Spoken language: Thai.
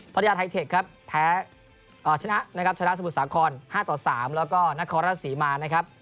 พระยาทไทเทคครับแพ้ชนะชนะสมุทรสาขร๕๓แล้วก็นาคอร์ลาศรีมารนะครับ